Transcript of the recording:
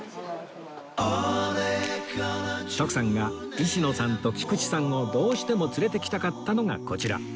徳さんが石野さんと菊池さんをどうしても連れてきたかったのがこちら